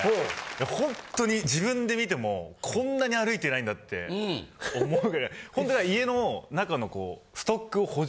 ホントに自分で見てもこんなに歩いていないんだって思うぐらいホントは家の中の。